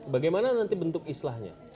bagaimana nanti bentuk islahnya